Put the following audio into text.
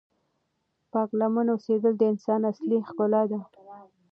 پاک لمن اوسېدل د انسان اصلی ښکلا ده.